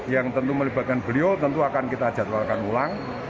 yang tentu melibatkan beliau tentu akan kita jadwalkan ulang